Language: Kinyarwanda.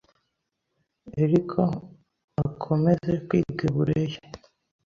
eriko ekomeze kwige bureye